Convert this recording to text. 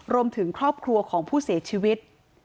รวมถึงครอบครัวของผู้เสียชีวิต